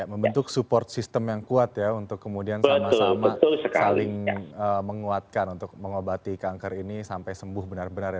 membentuk support system yang kuat ya untuk kemudian sama sama saling menguatkan untuk mengobati kanker ini sampai sembuh benar benar ya